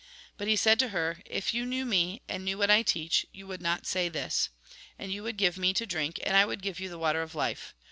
'' But he said to her :" If you knew me, and knew what I teach, you would not say this, and you would give me to drink, and I would give you the water of life.